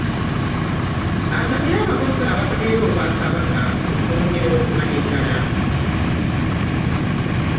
Asabye abakozi abakolera Obwakabaka okwongera okumanyagana